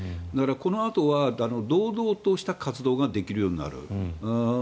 このあとは堂々とした活動ができるようになる。